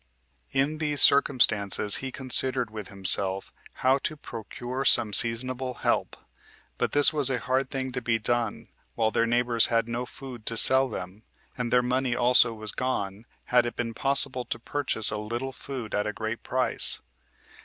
2. In these circumstances he considered with himself how to procure some seasonable help; but this was a hard thing to be done, while their neighbors had no food to sell them; and their money also was gone, had it been possible to purchase a little food at a great price.